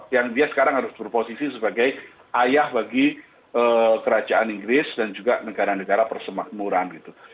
yang dia sekarang harus berposisi sebagai ayah bagi kerajaan inggris dan juga negara negara persemakmuran gitu